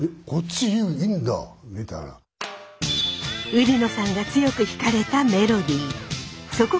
売野さんが強く引かれたメロディー。